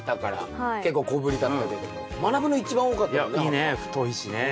いいね太いしね。